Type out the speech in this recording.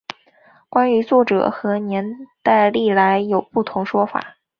关于作者和年代历来有不同说法。